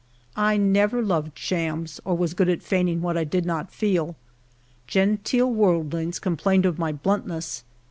1 never loved shams, or was good at feigning what I did not feel. Gen teel worldlings complained of my bluntness.